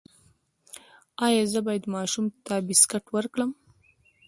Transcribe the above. ایا زه باید ماشوم ته بسکټ ورکړم؟